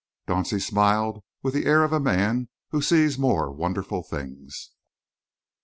Dauncey smiled with the air of a man who sees more wonderful things.